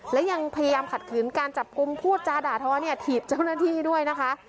และยังพยายามขัดขืนการจับกลุ่มพูดจาด่าท้อเนี่ยถีบเจ้าหน้าที่ด้วยนะคะ